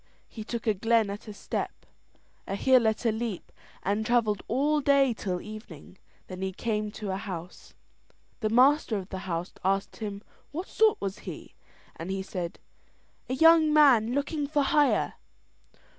He took a glen at a step, a hill at a leap, and travelled all day till evening. Then he came to a house. The master of the house asked him what sort was he, and he said: "A young man looking for hire."